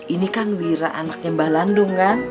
ini kan wira anaknya mbah landung kan